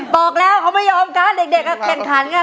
บอกแล้วเขาไม่ยอมกันเด็กแข่งขันเนี่ย